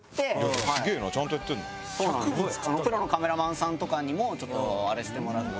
プロのカメラマンさんとかにもちょっとあれしてもらって。